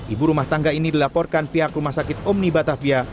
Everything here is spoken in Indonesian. ibu rumah tangga ini dilaporkan pihak rumah sakit omnibatavia